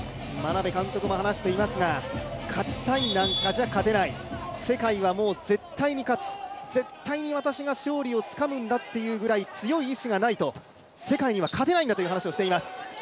眞鍋監督も話していますが、勝ちたいなんかじゃ勝てない、世界はもう絶対に勝つ、絶対に私が勝利をつかむんだというぐらい強い意志がないと、世界には勝てないんだという話をしています。